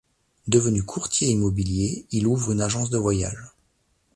Devenu courtier immobilier, il ouvre une agence de voyage.